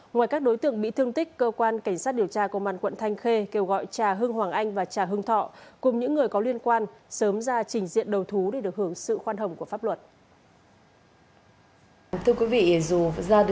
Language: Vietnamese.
ngoài các đối tượng bị thương tích cơ quan cảnh sát điều tra công an quận thanh khê kêu gọi trà hưng hoàng anh và trà hưng thọ cùng những người có liên quan sớm ra trình diện đầu thú để được hưởng sự khoan hồng của pháp luật